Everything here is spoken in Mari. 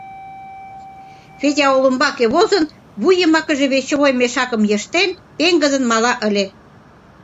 Федя олымбаке возын, вуй йымакыже вещевой мешакым йыштен, пеҥгыдын мала ыле.